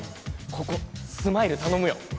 ここスマイル頼むよ。